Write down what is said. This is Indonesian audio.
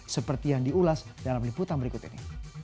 seperti yang diulas dalam liputan berikut ini